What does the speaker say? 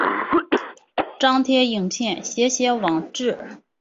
张贴影片写写网志